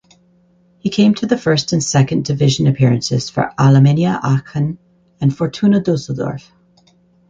He came to first and second division appearances for Alemannia Aachen and Fortuna Dusseldorf.